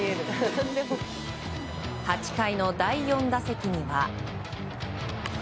８回の第４打席には。